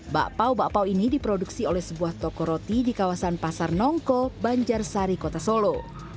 bakpao bakpao ini diproduksi oleh sebuah toko roti di kawasan pasar nongko banjarsari kota solo